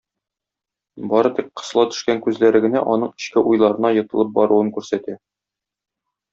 Бары тик кысыла төшкән күзләре генә аның эчке уйларына йотылып баруын күрсәтә.